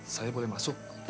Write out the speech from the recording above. saya boleh masuk